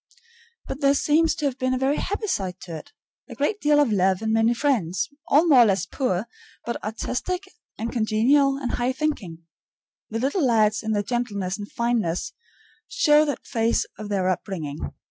But there seems to have been a very happy side to it a great deal of love and many friends, all more or less poor, but artistic and congenial and high thinking. The little lads, in their gentleness and fineness, show that phase of their upbringing.